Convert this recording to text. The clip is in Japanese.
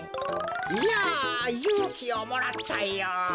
いやゆうきをもらったよ。